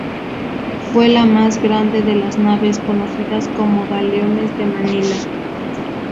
Fue la más grande de las naves conocidas como galeones de Manila.